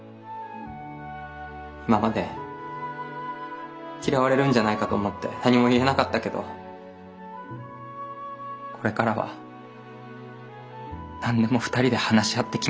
今まで嫌われるんじゃないかと思って何も言えなかったけどこれからは何でも二人で話し合って決めたい。